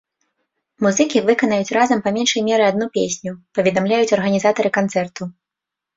Музыкі выканаюць разам па меншай меры адну песню, паведамляюць арганізатары канцэрту.